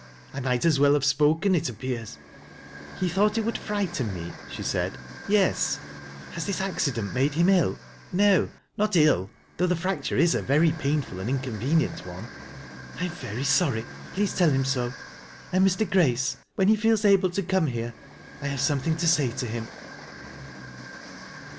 I might as well have spoken, it appears." " He thought it would frighten me ?" she said. « Yes." " Has this accident made him ill ?"" No, not ill, though the fracture is a very painful arid inconvenient one." " I am very sorry ^ please tell him so. And, Mr Grace, when he feels able to come here, I have something CO say to him."